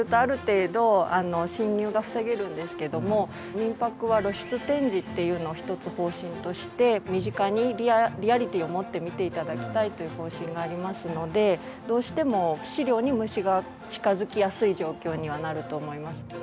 「みんぱく」は露出展示っていうのを一つ方針として身近にリアリティーをもって見て頂きたいという方針がありますのでどうしても資料に虫が近づきやすい状況にはなると思います。